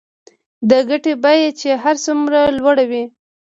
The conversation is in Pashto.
د ګټې بیه چې هر څومره لوړه وي